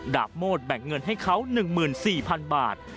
โมดแบ่งเงินให้เขา๑๔๐๐๐บาท